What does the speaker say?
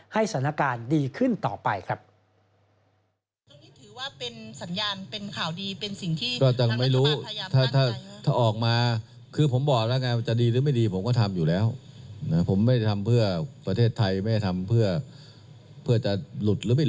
ให้สถานการณ์ดีขึ้นต่อไปครับ